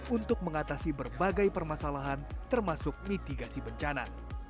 untuk mengatasi berbagai permasalahan termasuk mitigasi bencana